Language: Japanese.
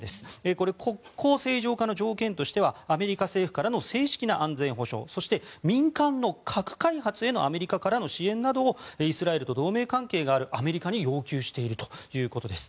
これ、国交正常化の条件としてはアメリカ政府からの正式な安全保障そして民間の核開発へのアメリカからの支援などをイスラエルと同盟関係があるアメリカに要求しているということです。